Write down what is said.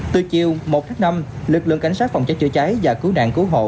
từ chiều một tháng năm lực lượng cảnh sát phòng cháy chữa cháy và cứu nạn cứu hộ